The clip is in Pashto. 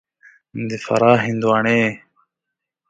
د فراه هندوانې